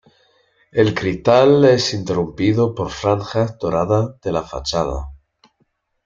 El cristal es interrumpido por franjas doradas de la fachada.